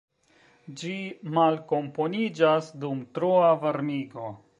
Ĝi malkomponiĝas dum troa varmigo.